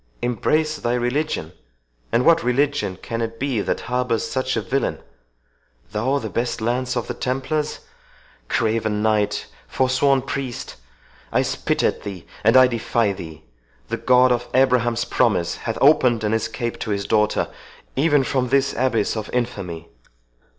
—embrace thy religion! and what religion can it be that harbours such a villain?—THOU the best lance of the Templars!—Craven knight!—forsworn priest! I spit at thee, and I defy thee.—The God of Abraham's promise hath opened an escape to his daughter—even from this abyss of infamy!"